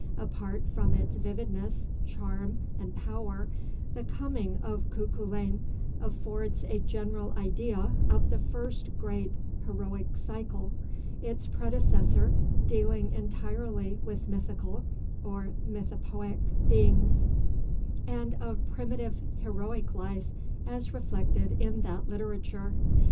Apart from its vividness, charm, and power, 'The Coming of Cuculain' affords a general idea of the first great heroic cycle (its predecessor dealing entirely with mythical or mythopoeic beings), and of primitive heroic life as reflected in that literature.